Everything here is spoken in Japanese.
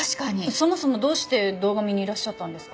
そもそもどうして堂上にいらっしゃったんですか？